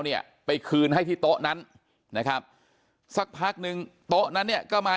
เนี่ยไปคืนให้ที่โต๊ะนั้นนะครับสักพักนึงโต๊ะนั้นเนี่ยก็มา